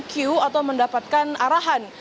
q atau mendapatkan arahan